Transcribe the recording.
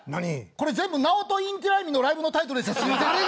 これ全部ナオト・インティライミのライブのタイトルでした。